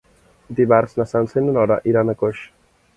Dimarts na Sança i na Nora iran a Coix.